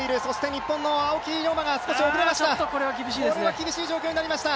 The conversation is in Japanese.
日本の青木涼真が少し遅れました。